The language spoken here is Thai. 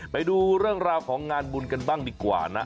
ไปดูเรื่องราวของงานบุญกันบ้างดีกว่านะ